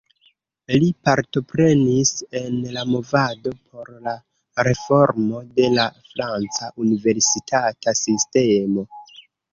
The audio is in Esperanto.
Li partoprenis en la movado por la reformo de la franca universitata sistemo.